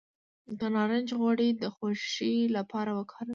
د نارنج غوړي د خوښۍ لپاره وکاروئ